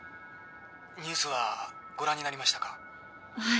「ニュースはご覧になりましたか？」はい。